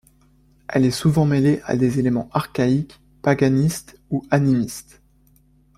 Elle est souvent mêlée à des éléments archaïques paganistes ou animistes.